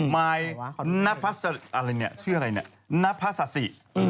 มายมายนัพศาสิ